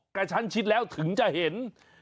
กระชั้นชิดแล้วถึงจะเห็น